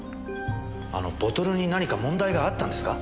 あのボトルに何か問題があったんですか？